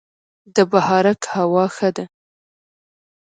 د بهارک هوا ښه ده